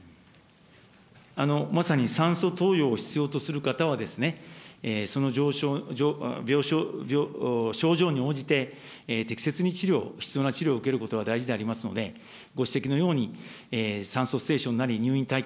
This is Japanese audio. まさに酸素投与を必要とする方は、その症状に応じて、適切に治療、必要な治療を受けることが大事でありますので、ご指摘のように、酸素ステーションなり入院待機